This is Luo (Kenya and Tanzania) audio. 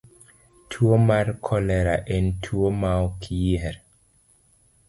Tuwo mar kolera en tuwo maok yier.